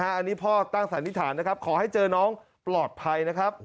อันนี้พ่อตั้งสันนิษฐานนะครับขอให้เจอน้องปลอดภัยนะครับ